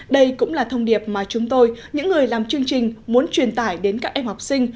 đây cũng là thông điệp mà chúng tôi những người làm chương trình muốn truyền tải đến các em học sinh